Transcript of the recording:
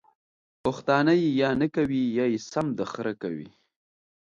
پښتانه ېې یا نکوي یا يې سم د خره کوي!